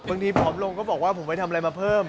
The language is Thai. ผอมลงก็บอกว่าผมไปทำอะไรมาเพิ่ม